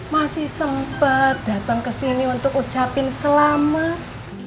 masih sempet dateng kesini untuk ucapin selamat